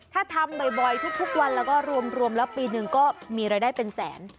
ถ้าทำบ่อยทุกวันแล้วก็รวมแล้วปีหนึ่งก็มีรายได้เป็นแสน